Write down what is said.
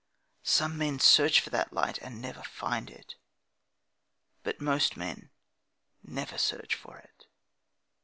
Some men search for that light and never find it. But most men never search for it.